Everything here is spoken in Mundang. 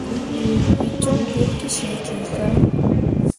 Wǝ jon bolle ki cil ɓii kah.